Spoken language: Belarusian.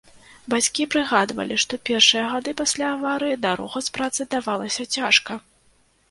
Бацькі прыгадвалі, што першыя гады пасля аварыі дарога з працы давалася цяжка.